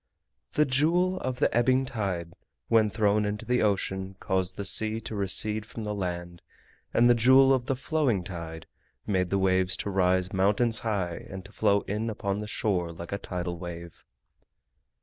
The Jewel of the Ebbing Tide when thrown into the ocean caused the sea to recede from the land, and the Jewel of the Flowing Tide made the waves to rise mountains high and to flow in upon the shore like a tidal wave.